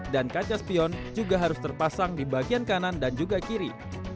dan kaca spion juga harus terpasang di bagian kanan dan juga kiri